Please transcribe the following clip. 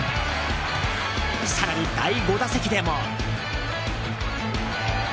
更に、第５打席でも。